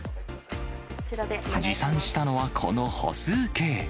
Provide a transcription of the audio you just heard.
持参したのは、この歩数計。